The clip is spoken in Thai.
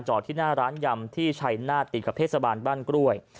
ที่หน้าร้านยำที่ชัยนาฏติดกับเทศบาลบ้านกล้วย